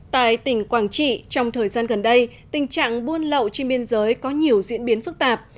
tại tỉnh quảng trị trong thời gian gần đây tình trạng buôn lậu trên biên giới có nhiều diễn biến phức tạp